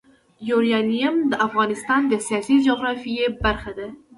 یورانیم د افغانستان د سیاسي جغرافیه برخه ده.